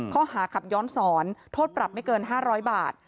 ข้อหาขับย้อนสอนโทษปรับไม่เกิน๕๐๐บาท